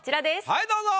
はいどうぞ！